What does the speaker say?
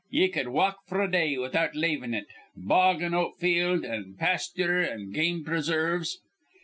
Ye cud walk f'r a day without lavin' it, bog an' oat field an' pasthure an' game presarves.